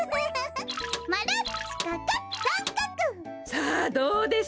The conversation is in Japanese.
さあどうでしょう？